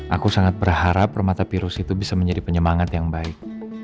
aku sangat berharap permata virus itu bisa menjadi penyemangat yang baik